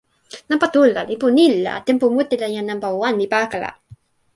nanpa tu la, lipu ni la, tenpo mute la jan nanpa wan li pakala